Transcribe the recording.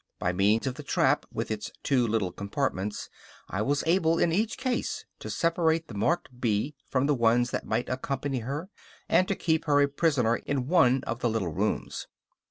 By means of the trap, with its two little compartments, I was able in each case to separate the marked bee from the ones that might accompany her, and to keep her a prisoner in one of the little rooms.